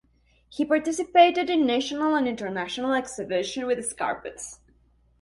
He participated in national and international exhibitions with his carpets.